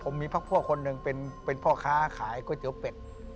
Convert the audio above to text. ผมมีพ่อคนนึงเป็นพ่อค้าขายก๋วยเจี๋ยวเป็ด